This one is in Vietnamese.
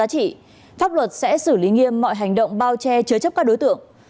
nếu có thông tin có giá trị pháp luật sẽ xử lý nghiêm mọi hành động bao che chứa chấp các đối tượng